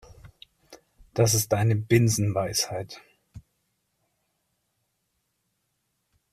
Das ist eine Binsenweisheit.